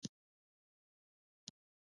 ایا مصنوعي ځیرکتیا د فرهنګي هویت بدلون نه چټکوي؟